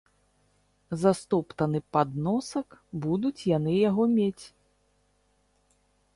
За стоптаны падносак будуць яны яго мець.